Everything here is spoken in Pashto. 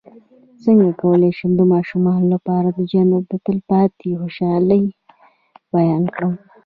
څنګه کولی شم د ماشومانو لپاره د جنت د تل پاتې خوشحالۍ بیان کړم